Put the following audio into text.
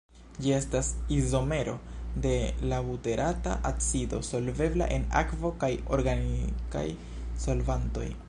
Ĝi estas izomero de la buterata acido, solvebla en akvo kaj organikaj solvantoj.